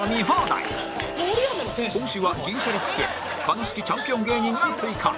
今週は銀シャリ出演悲しきチャンピオン芸人が追加